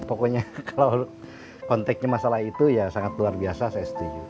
pokoknya kalau konteknya masalah itu ya sangat luar biasa saya setuju